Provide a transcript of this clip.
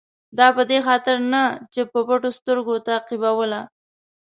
دا په دې خاطر نه چې په پټو سترګو تعقیبوله.